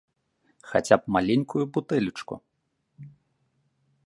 Хаця б маленькую бутэлечку!